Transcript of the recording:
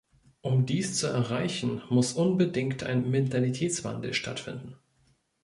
Um dies zu erreichen, muss unbedingt ein Mentalitätswandel stattfinden.